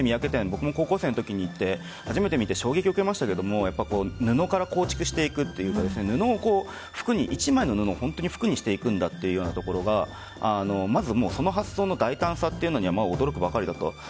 僕も高校生のときに行って初めて見て衝撃を受けましたが布から構築していくというか一枚の布を服にしていくんだというところがまずその発想の大胆さに驚くばかりだと。